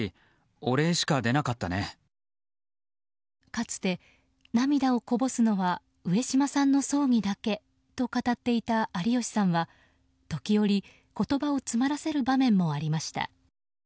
かつて涙をこぼすのは上島さんの葬儀だけと語っていた有吉さんは時折、言葉を詰まらせる場面もありました。